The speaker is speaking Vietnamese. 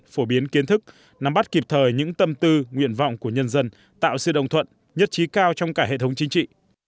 phổ biến kiến thức nắm bắt kịp thời những tâm tư nguyện vọng của nhân dân tạo sự đồng thuận nhất trí cao trong cả hệ thống chính trị